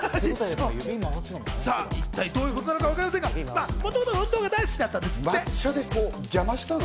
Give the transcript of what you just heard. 一体どういうことなのかわかりませんが、もともと運動が大好きだったんですって。